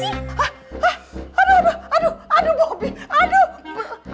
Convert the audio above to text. hah hah aduh aduh bobi aduh